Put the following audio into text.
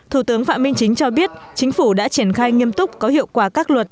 thủ tướng phạm minh chính cho biết chính phủ đã triển khai nghiêm túc có hiệu quả các luật